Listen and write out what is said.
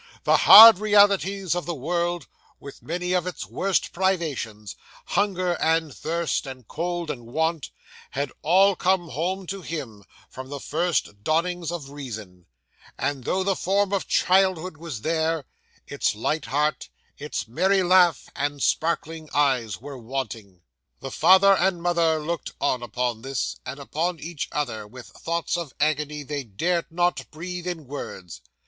The hard realities of the world, with many of its worst privations hunger and thirst, and cold and want had all come home to him, from the first dawnings of reason; and though the form of childhood was there, its light heart, its merry laugh, and sparkling eyes were wanting. 'The father and mother looked on upon this, and upon each other, with thoughts of agony they dared not breathe in words.